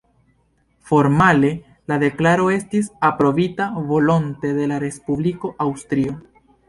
Formale, la deklaro estis aprobita volonte de la Respubliko Aŭstrio.